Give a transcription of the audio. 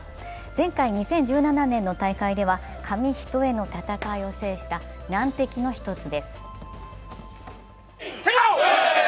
前回２０１７年の大会では、紙一重の戦いを制した難敵の一つです。